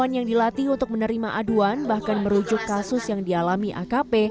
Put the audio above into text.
korban yang dilatih untuk menerima aduan bahkan merujuk kasus yang dialami akp